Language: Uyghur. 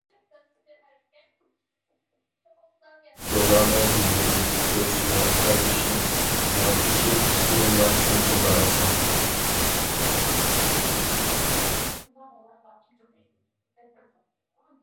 دولانا گۈللىرى ئۇز ۋە ئەۋرىشىم، ياپيېشىل قېيىنلار شۇنچە باراقسان.